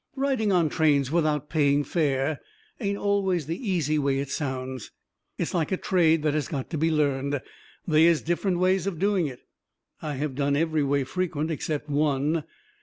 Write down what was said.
Riding on trains without paying fare ain't always the easy thing it sounds. It is like a trade that has got to be learned. They is different ways of doing it. I have done every way frequent, except one.